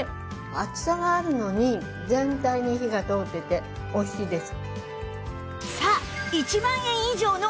厚さがあるのに全体に火が通ってておいしいです。